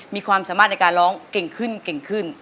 มีความสามารถในการร้องเก่งขึ้น